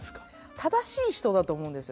正しい人だと思うんですよ